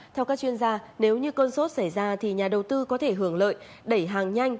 theo các chuyên gia nếu như cơn sốt xảy ra thì nhà đầu tư có thể hưởng lợi đẩy hàng nhanh